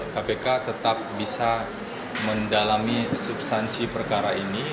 kpk tetap bisa mendalami substansi perkara ini